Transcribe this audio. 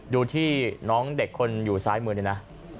ดูที่น้องเด็กคนอยู่ซ้ายมือนี่นะ